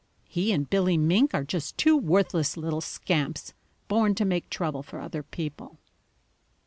He and Billy Mink are just two worthless little scamps, born to make trouble for other people."